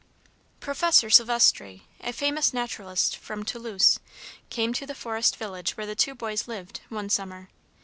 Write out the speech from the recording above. Professor Sylvestre, a famous naturalist from Toulouse, came to the forest village where the two boys lived, one summer.